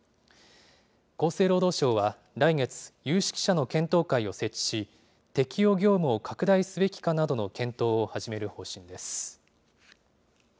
厚生労働省は来月、有識者の検討会を設置し、適用業務を拡大すべきかなどの検討を始める方針です。